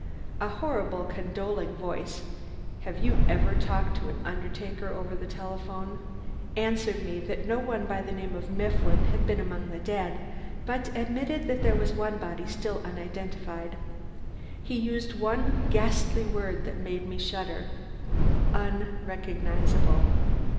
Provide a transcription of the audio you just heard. A horrible, condoling voice (have you ever talked to an undertaker over the telephone?) answered me that no one by the name of Mifflin had been among the dead, but admitted that there was one body still unidentified. He used one ghastly word that made me shudder unrecognizable.